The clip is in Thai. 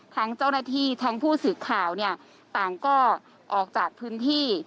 ทั้งเจ้าหน้าที่ทั้งผู้สื่อข่าวเนี่ยต่างก็ออกจากพื้นที่